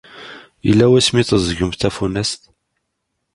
Yella wasmi i teẓẓgemt tafunast?